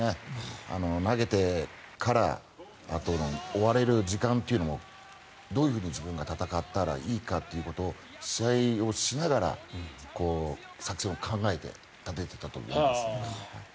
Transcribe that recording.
投げてから追われる時間というのもどういうふうに自分が戦ったらいいかということを試合をしながら作戦を考えて立てていたと思いますね。